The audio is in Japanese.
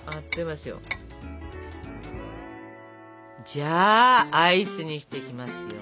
じゃあアイスにしていきますよ！